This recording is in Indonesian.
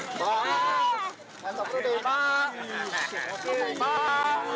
untuk menjelaskan itu dari petri